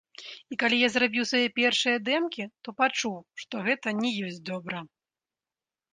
І калі я зрабіў свае першыя дэмкі, то пачуў, што гэта не ёсць добра.